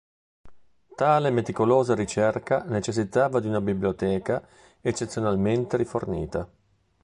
Tale meticolosa ricerca necessitava di una biblioteca eccezionalmente rifornita.